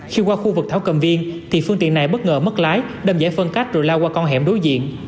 khi qua khu vực thảo cầm viên thì phương tiện này bất ngờ mất lái đâm giải phân cách rồi lao qua con hẻm đối diện